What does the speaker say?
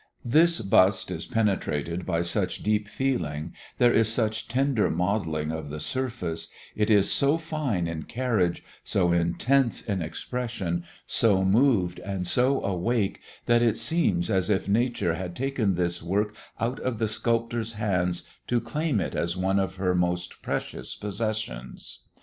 This bust is penetrated by such deep feeling, there is such tender modeling of the surface, it is so fine in carriage, so intense in expression, so moved and so awake that it seems as if Nature had taken this work out of the sculptor's hands to claim it as one of her most precious possessions.